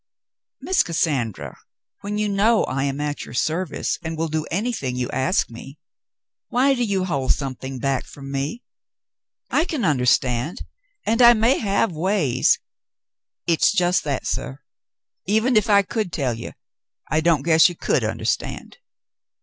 "Miss Cassandra, when you know I am at your service, and will do anything you ask of me, why do you hold something back from me ? I can understand, and I may have ways —" "It's just that, suh. Even if I could tell you, I don't guess you could understand.